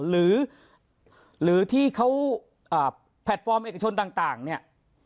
หรือหรือที่เขาอ่าแพลตฟอร์มเอกชนต่างต่างเนี่ย